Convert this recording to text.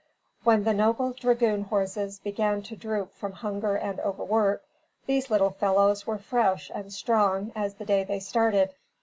When the noble dragoon horses began to droop from hunger and overwork, these little fellows were fresh and strong as the day they started.